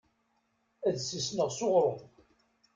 Ad sisneɣ s uɣṛum.